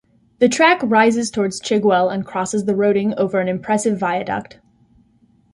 The track rises towards Chigwell and crosses the Roding over an impressive viaduct.